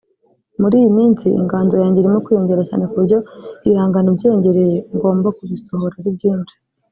Muri iyi minsi inganzo yanjye irimo kwiyongera cyane ku buryo ibihangano byiyongereye ngomba kubisohora ari byinshi”